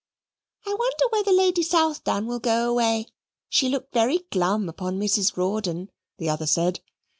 "I wonder whether Lady Southdown will go away, she looked very glum upon Mrs. Rawdon," the other said.